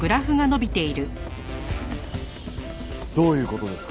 どういう事ですか？